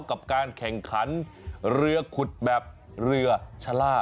กับการแข่งขันเรือขุดแบบเรือชะล่า